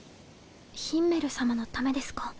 ヒンメルさまのためですか？